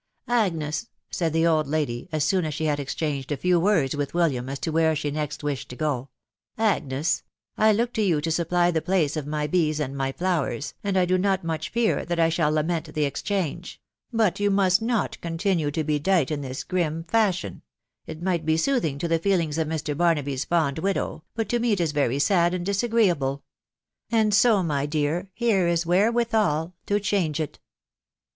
(C Agnes1 ?".... said the old lady, as soon as she had ex changed a few words with William as to where she next wished to go, —" Agnes ! I look to you to supply die place of my bees and my flowers, and I do not much fear that I shall lament the exchange ; but you must not continue to be dight in this grim fashion ; it might be soothing to the feelings of Mr. Barnaby's fond widow, but to me it is very sad and dis agreeable .... And so, my dear, here is wherewithal to change it."